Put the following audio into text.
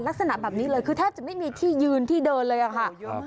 ลักษณะแบบนี้เลยคือแทบจะไม่มีที่ยืนที่เดินเลยอะค่ะ